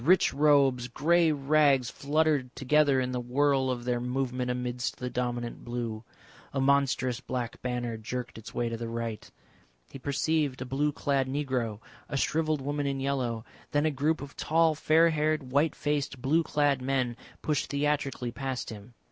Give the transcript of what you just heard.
Rich robes, grey rags fluttered together in the whirl of their movement amidst the dominant blue. A monstrous black banner jerked its way to the right. He perceived a blue clad negro, a shrivelled woman in yellow, then a group of tall fair haired, white faced, blue clad men pushed theatrically past him.